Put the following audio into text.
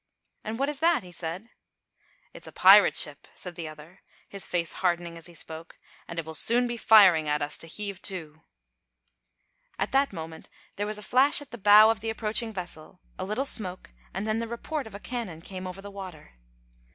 "And what is that?" he said. "It is a pirate ship," said the other, his face hardening as he spoke, "and it will soon be firing at us to heave to." At that moment there was a flash at the bow of the approaching vessel, a little smoke, and then the report of a cannon came over the water.